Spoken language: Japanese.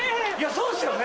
そうですよね。